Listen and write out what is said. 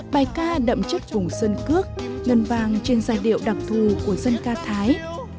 bài ca đậm chất vùng sân cước ngân vàng trên giai điệu đặc thù của sân ca thái